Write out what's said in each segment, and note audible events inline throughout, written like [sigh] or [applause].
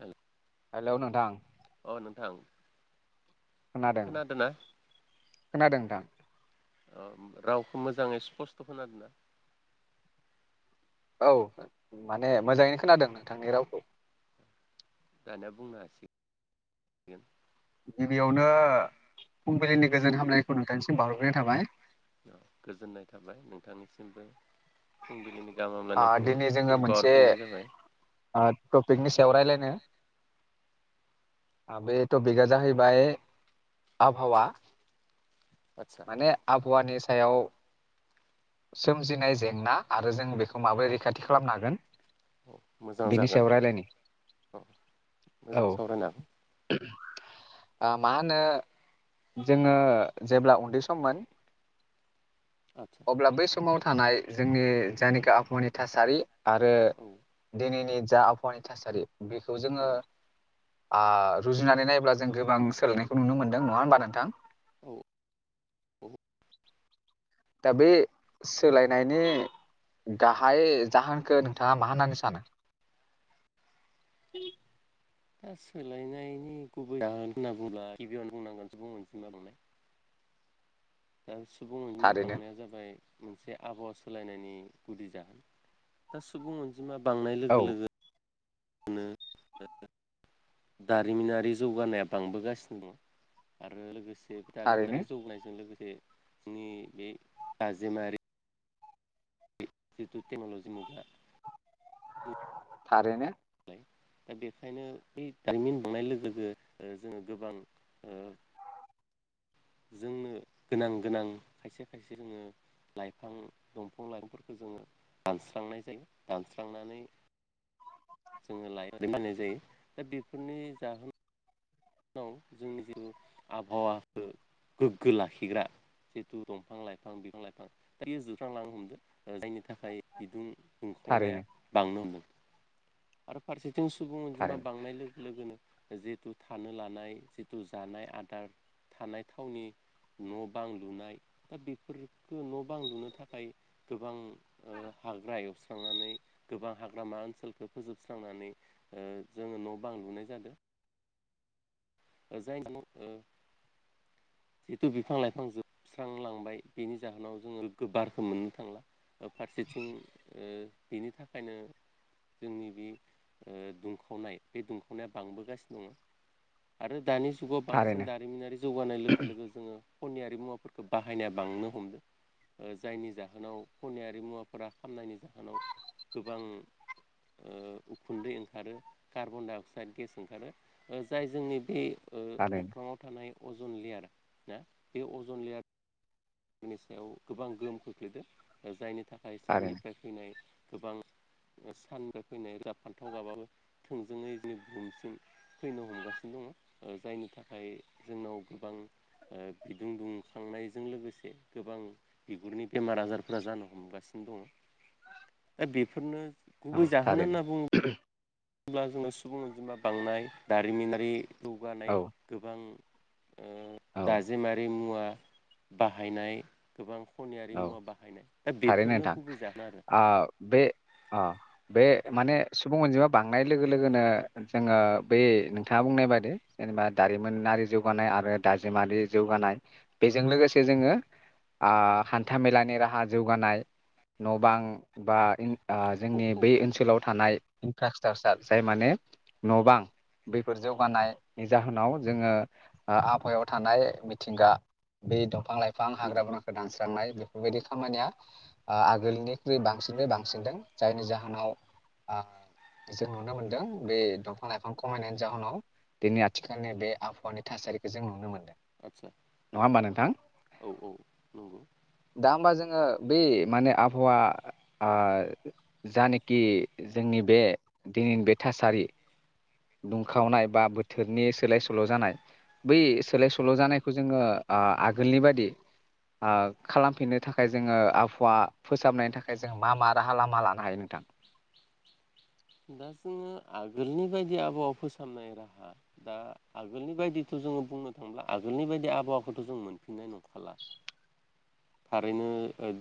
हेल'। Hello नोंथां। अ नोंथां। खोनादों खोनादोंना खोनादों नोंथां। रावखौ मोजाङै स्पस्त' खोनादो ना? औ माने मोजाङैनो खोनादों नोंथांनि रावखौ। दानिया बुंनो हासिगोन। गिबियावनो फुंबिलिनि गोजोन हामलनायखौ नोंथांनिसिम बाहरग्रोननाय थाबाय। औ गोजोननाय थाबाय नोंथांनिसिमबो। फुंबिलिनि गाहाम आ हामलायनायखौ दिनै जोङो फिन मोनसे बावहरफिननाय जाबाय टपिकनि सायाव रायलायनो। बे टपिकआ जाहैबाय आबहावा। आदसा माने आबहाानि सा सायाव सोमजिनाय जेंना आरो जों बेखौ माबोरै रैखाथि खालामनो हागोन। औ मोजां बेनि जागोन सायाव रायलायनि औ औ मोजां ओ सावरायनो हागोन। मा होनो जोङो जेब्ला उन्दै सममोन। आदसा अब्ला बै स माव थानाय जोंनि। जायनाखि आफमनि थाासारि। आरो औ दिनैनि। जा आबहावानि थासारि। बेखौ औ जोङो। आ रुजुनानै नायोब्ला जों गोबां सोलायनायखौ नुनो मोन्दों, नङा होमबा नोंथां? औ। औ [unintelligible] दा बे सोलायनायनि गाहाय जाहोनखो नोंथाङा मा होननानै सानो? [unintelligible] दा सोलायनायनि गुबै जाहोन होनना बुंब्ला गिबियावनो बुंनांगोन सुबुं अनजिमा बांनाय। दा सुबुं बिमा थारैनो बांनाया जाबाय मोनसे आबहावा सोलायनायनि गुदि जाहोन दा सुबुं अनजि जिमा बांनाय औ लोगो लोगो नो [unintelligible] दारिमिनारि जौगानाया बांबोगासिनो दं। आरो लोगोसे बे थारैनो दारिमिनारि जौनायजों लोगोसे बे नि बे दाजेमारि [unintelligible] मुगा। थारैनो। मबाइल दा बेखायनो बे दारिमिन बांनाय लोगो लोगो ओ जोङो गोबां ओ जोंनो गोनां गोनां खायसे खायसे जोङो लाइफां दंफां लाइफांफोरखौ जोङो दानस्रांनाय जायो दानस्रांनानै जोङो लाय [unintelligible] जायो दा बेफोरनि जाहोन नाव जोंनि [unintelligible] आबहावाखो गोग्गो लाखिग्रा जिहथु दंफां लाइफां बिफां लाइफां दायो जोबस्रांलांनो हमदो। ओ जायनि थाखाय बिदुं दुंखावनाया थारैनो बांनो हमदों। आरो फारसे थिं सुबुं अनजिमा थारैनो बांनाय लोगो लोगोनो जिहेतु थानो लानाय जिथु जानाय आदार थानाय थावनि न' बां लुनाय दा बेफोरफोरखो न' बां लुनो थाखाय गोबां ओ हाग्रा एवस्रांनानै गोबां हाग्रामा ओनसोलखौ फोजोबस्रांनानै ओ जोङो न' बां लुनाय जादो। ओ जाय [unintelligible] ओ जिथु बिफां लाइफां जोबस्रांलांबाय बेनि जाहोनाव जोङो गो बारखौ मोननो थांला ओ फारसेथिं ओ बेनि थाखायनो जोंनि बे ओ दुंखावनाय बे दुंखावनाया बांबोगासिनो दङ। आरो दानि जु जुगाव थारैनो बांसिन दारिमिनारि जौगानाय लोगो लोगो जोङो खनियारि मुफोरखौ बायनाया बांनो हमदो। ओ जायनि जाहोनाव खनिारि मुवाफोरा खामनायनि जाहोनाव गोबां ओ उखुन्दै ओंखारो कार्बन डाइअक्साइद गेस ओंखारो। ओ जाय जोंनि बे ओ थारैनो अख्राङाव थानाय अजन लेयार ना बे अजन लेयार बिनि सायाव गोबां गोहोम खोख्लैदो। ओ जायनि थाखाय थारैनो साननिफ्राय फैनाय गोबां साननिफाय फैनाय गाब फान्थाव गाबाबो थोंजोङै जोंनिथिं फैनो हमगासिनो दङ'। ओ जायनि थाखाय जोंनाव गोबां ओ बिदुं दुंखांनायजों लोगोसे से गोबां बिगुरनि बेमार आजारफोरा जानो हमगासिनो दङ'। दा बेफोरनो औ गुबै जाहोन थारैनो होनना बुं होनब्ला जोङो सुबुं अनजिमा बांनाय दारिमिनारि औ जौगानाय गोबां ओ औ दाजे मारि मुवा बाहायनाय गोबां खनियारि औ मुवा बाहायनाय दा थारैनो बेफोरनो नोंथां गुबै जाहोन आरो आ‌ बे आ बे माने सुबुं अनजिमा बांनाय लोगो लोगोनो जोंङो बै नोंथांङा बुंनाय बाददि जेनेबा दारिमिनारि जौगानाय आरो दाजिमारि जौगानाय बेजों लोगोसे जोंङो आह हान्था मेलानि राहा जौगानाय न' बां बा आह औ जोंनि औ बै आदसा ओनसोलाव थानाय [unintelligible] जाय माने न' बां बैफोर जौगानायनि जाहोनाव जोंङो आबहायाव थानाय मिथिंगा बे दंफां लाइफां बां हाग्राा बंग्रा दानस्रां साननाय बेफोरबायदि खामानिया आगोलनिख्रुइ बांसिनफ्राय बांसिनदों जायनि जाहोनाव ओ जों नुनो मोनदों बे दंफां लाइफां खमायनायनि जाहोनाव दिनै आथिखालनि बे आबहावानि थासारिखौ जों नुनो मोनदों। आतसा नङा होमबा नोंथां औ औ दा होमबा जोंङो बे माने आबहावा आ जा नेखि जोंनि बे दिनैनि बे थासारि दुंखावनाय बा बोथोरनि सोलाय सोल' जानाय बै सोलाय सोल' जानायखौ जोंङो ओ आगोलनि बादि खालामफिननो थाखाय जोंङो आबहावा फोसाबनायनि थाखाय जों मा मा राहा लामा लानो हायो नोंथां? दा जोंङो आगोलनि बायदि आबहावा फोसाबनाय राहा दा आगोलनि बायदिथ' जोंङो बुंनो थांब्ला आगोलनि बायदि आबहावाखौथ' जों मोनफिननाय नंखाला थारैनो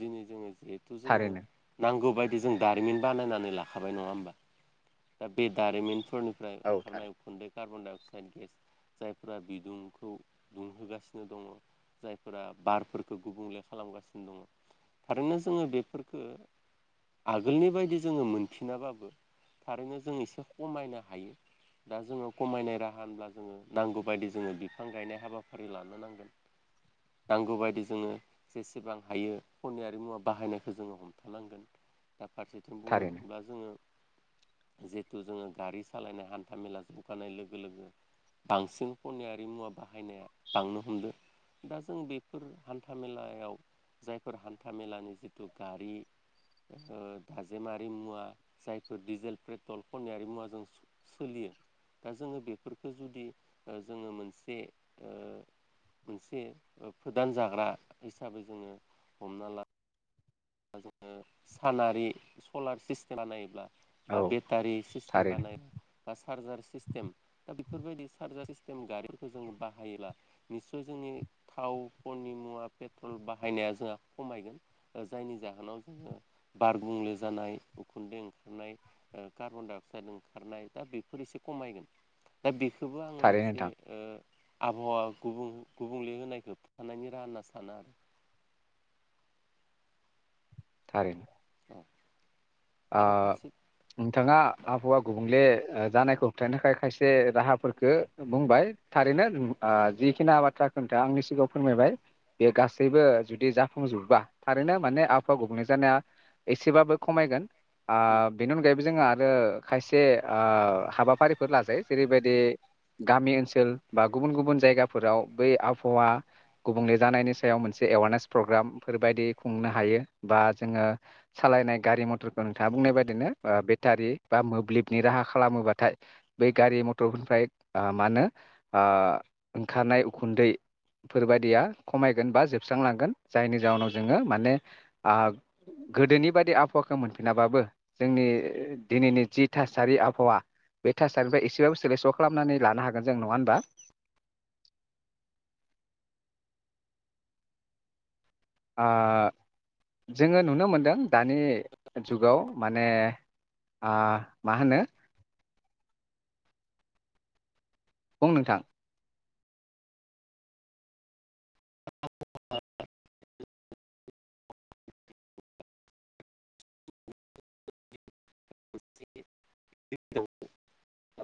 दिनै जोंङो जिहेथु जोंङो थारैनो नांगौबाय बि जों दारिमिन बानायनानै लाखाबाय नंङा होमबा? दा बे दारिमिन फोरनिफ्राय औ ओंखारनाय थारैनो उखुन्दै कार्बन-डाइ-अक्साइड गेस जायफोरा बिदुंखौ दुंहोगासिनो दंङ, जायफोरा बारफोरखौ गुबुंले खालामगासिनो दंङ, थारैनो जोंङो बेफोरखो आगोलनि बायदि जोंङो मोनफिनाबाबो थारैनो जों एसे खमायनो हायो दा जोंङो खमायनाय राहा होनब्ला जोंङो नांगौ बादि जोंङो बिफां गायनाय हाबाफारि लानो नांगोन नांगौबायायदि जोंङो जेसेबां हायो खनियारि मुवा बाहायनायखौ जोंङो हमथानांगोन। दा फारसेथिं बुंनो थारैनो थांङोला जोंङो जिहथु जोंङो गारि सालायनाय हान्था मेला जौगानाय लोगो लोगो बांसिन खनियारि मुवा बाहायनाया बांनो हमदो दा जों बेफोर हान्थ मेलायाव जायफोर हान्था मेलानि जिथु गारि दाजेमारि मुवा जाय फोर डिजेल, पेट्रल खनियारि मुवाजों सोलियो दा जोंङो बेफोरफोरखौ जुदि जोंङो मोनसे ओ मोनसे फोदान जाग्रा हिसाबै जोंङो हमना ला जोंङो सानारि सलार सिस्टेमा नायोब्ला बा औ बेटारि सिस्टेम थारैनो बानाय बा चार्जार सिस्टेम दा बेफोरबायदि सार्जार सिस्टेम गारिफोरखौ जों बाहायोब्ला निसय जोंनि थावफोरनि मुवा पेट्रल बाहायनाया जोंहा खमायगोन ओ जायनि जाहोनाव जोंङो बार गुंले जानाय उखुन्दै ओंखारनाय कार्बन-डाइ-अक्साइद ओंखारनाय दा बेफोर एसे खमायगोन, दा बे खौबो आंङो थारैनो मोनसे नोंथां आबहावा गुबुं-गुबुंले होनायखौ होबथानायनि राहा होनना साना आरो। थारैनो औ ओ नोंथांङा आबहावा गुबुंले ओ जानायखौ होबथानो थाखाय खायसे राहाफोरखौ बुंबाय थारैनो लु ओ जिखिनि बाथ्रा खोन्था आंनि सिगांङाव फोरमायबाय बे गासैबो जुदि जाफुंजोब्बा थारैनो माने आबहावा गुबुंले जानाया एसेबाबो खमायगोन। आ बेनि अनगायैब बो जों आरो खायसे ओ हाबाफारिफोर लाजायो जेरैबायदि गामि ओनसोल बा गुबुन गुबुन जायगाफोराव बै आबहावा गुबुंले जानायनि सायाव मोनसे एवार नेस प्रग्राम फोरबायायदि खुंनो हायो बा जोंङो सालायनाय गारि मथर ओ नोंथांङा बुंनाय बादिनो ओ बेटारि बा मोब्लिबनि राहा खालामोबाथाय बै गारि मटरफोरनिफ्राय आ मा होनो ओ ओंखारनाय उखुन्दैफोर बायदिया खमायगोन बा जोबस्रांलांगोन जायनि जाउनाव जोंङो माने आ गोदोनि बादि आबहावाखौ मोन फिना बाबो जोंनि दिनैनि जि थासारि आबहावा बे थासारिनिफ्राय एसेबाबो सोलायस' खालामनानै लानो हागोन जों नंङा होनबा? आह जोंङो नुनो मोनदों दानि जुगाव माने ओह मा होनो बुं नोंथां [unintelligible]